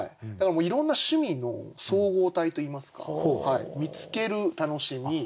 いろんな趣味の総合体といいますか見つける楽しみ